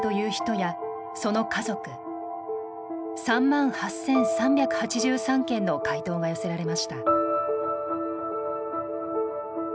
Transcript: ３万８，３８３件の回答が寄せられました。